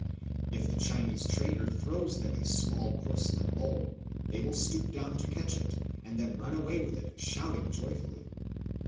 If the trader (Chinese) throws them a small porcelain bowl, they will stoop down to catch it and then run away with it, shouting joyfully."